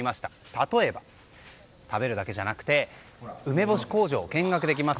例えば、食べるだけじゃなくて梅干し工場を見学できます。